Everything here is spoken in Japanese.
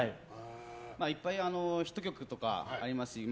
いっぱいヒット曲とかあります。